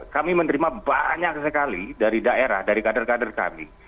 kami menerima banyak sekali dari daerah dari kader kader kami